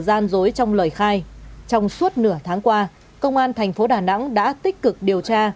gian dối trong lời khai trong suốt nửa tháng qua công an thành phố đà nẵng đã tích cực điều tra